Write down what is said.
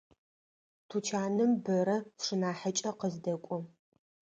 Тучаным бэра сшынахьыкӏэ къыздэкӏо.